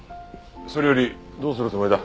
それよりどうするつもりだ？